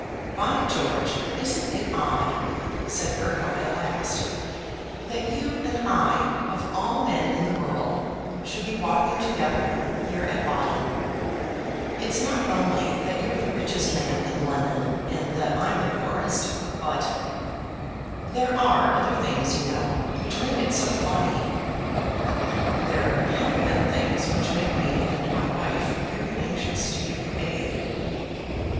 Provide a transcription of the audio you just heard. "By George! isn't it odd," said Burgo, at last, "that you and I, of all men in the world, should be walking together here at Baden? It's not only that you're the richest man in London, and that I'm the poorest, but ; there are other things, you know, which make it so funny." "There have been things which make me and my wife very anxious to give you aid."